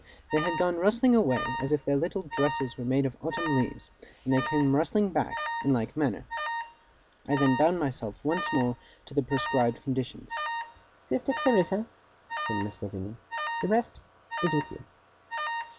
They had gone rustling away as if their little dresses were made of autumn leaves: and they came rustling back, in like manner. I then bound myself once more to the prescribed conditions. 'Sister Clarissa,' said Miss Lavinia, 'the rest is with you.